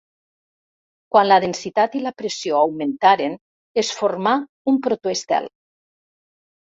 Quan la densitat i la pressió augmentaren, es formà un protoestel.